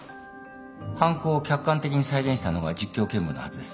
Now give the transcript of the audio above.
犯行を客観的に再現したのが実況見分のはずです。